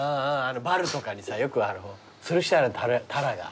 バルとかにさよくつるしてあるタラが。